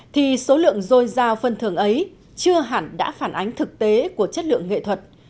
thì số lượng dôi dao phân thường ấy chưa hẳn đã phản ánh thực tế của chất lượng nghệ thuật